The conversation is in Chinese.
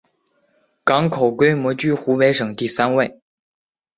港口规模居湖北省第三位。